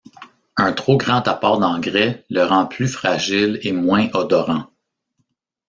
Un trop grand apport d'engrais le rend plus fragile et moins odorant.